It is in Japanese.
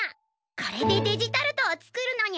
これでデジタルトを作るのにゃ。